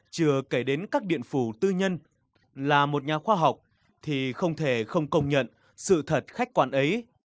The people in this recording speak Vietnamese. chưa kể đến các điện phủ tư nhân là một nhà khoa học thì không thể không công nhận sự thật khách quan ấy